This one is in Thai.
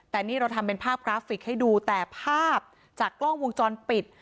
แต่นี่เราทำเป็นภาพกราฟิกให้ดูแต่ภาพจากกล้องวงจรปิด